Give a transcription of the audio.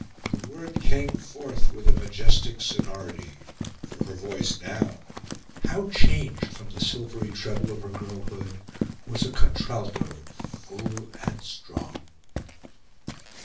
The word came forth with a majestic sonority; for her voice now how changed from the silvery treble of her girlhood was a contralto, full and strong.